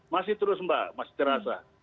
masih terus mbak masih terasa